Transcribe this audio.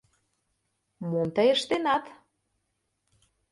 — Мом тый ыштенат?